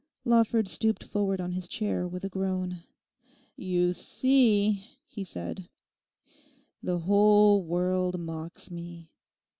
Lawford stooped forward on his chair with a groan. 'You see,' he said, 'the whole world mocks me.